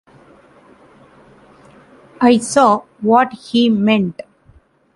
I saw what he meant.